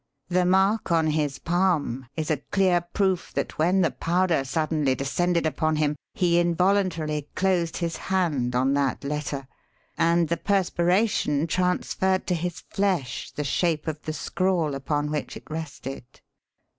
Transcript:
The mark on his palm is a clear proof that when the powder suddenly descended upon him he involuntarily closed his hand on that letter and the perspiration transferred to his flesh the shape of the scrawl upon which it rested.